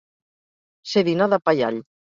Ser dinar de pa i all.